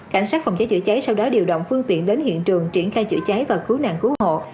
cảnh sát phòng cháy chữa cháy sau đó điều động phương tiện đến hiện trường triển khai chữa cháy và cứu nạn cứu hộ